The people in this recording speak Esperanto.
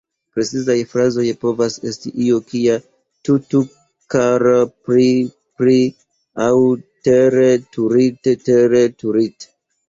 Precizaj frazoj povas esti io kia "tu-tu-krr-prii-prii" aŭ "trr-turit trr-turit...".